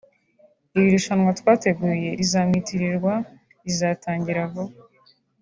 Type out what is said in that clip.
Iri rushanwa twateguye rizamwitirirwa rizatangira vuba